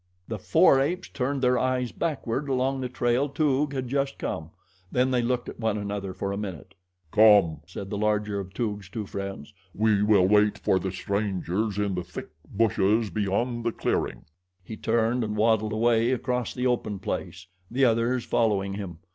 The four apes turned their eyes backward along the trail Toog had just come; then they looked at one another for a minute. "Come," said the larger of Toog's two friends, "we will wait for the strangers in the thick bushes beyond the clearing." He turned and waddled away across the open place, the others following him.